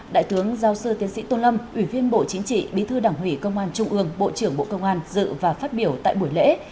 đại thướng giao sư tiến sĩ tôn lâm ủy viên bộ chính trị bí thư đảng hủy công an trung ương bộ trưởng bộ công an dự và phát biểu tại buổi lễ